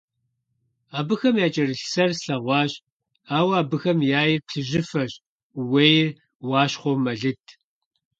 Абыхэм якӀэрылъ сэр слъэгъуащ, ауэ абыхэм яир плъыжьыфэщ, ууейр уащхъуэу мэлыд.